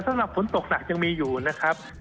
สำหรับฝนตกหนักยังมีอยู่นะครับ